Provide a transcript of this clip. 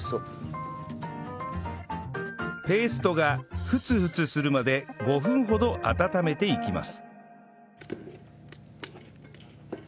ペーストがふつふつするまで５分ほど温めていきます